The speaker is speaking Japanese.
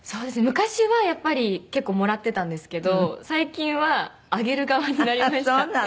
昔はやっぱり結構もらってたんですけど最近はあげる側になりました。